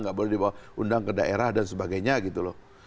nggak boleh diundang ke daerah dan sebagainya gitu loh